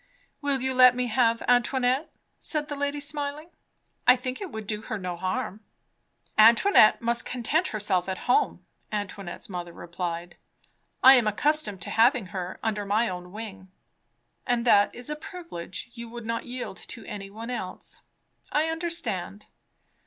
"Will you let me have Antoinette?" said the lady smiling. "I think it would do her no harm." "Antoinette must content herself at home," Antoinette's mother replied. "I am accustomed to having her under my own wing." "And that is a privilege you would not yield to any one else. I understand.